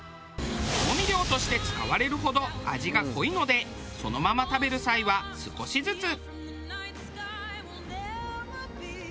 調味料として使われるほど味が濃いのでそのまま食べる際は少しずつ。